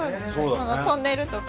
このトンネルとか。